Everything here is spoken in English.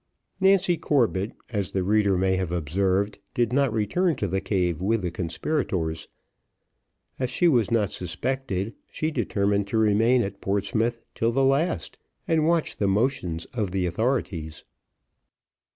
Nancy Corbett, as the reader may have observed, did not return to the cave with the conspirators. As she was not suspected, she determined to remain at Portsmouth till the last, and watch the motions of the authorities.